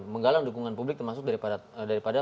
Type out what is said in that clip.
menggalang dukungan publik termasuk daripada